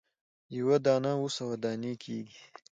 یوه دانه اووه سوه دانې کیږي.